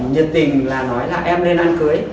nhật tình là nói là em lên ăn cưới